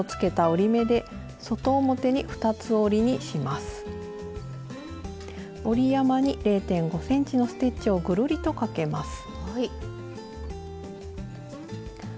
折り山に０．５ｃｍのステッチをぐるりとかけます。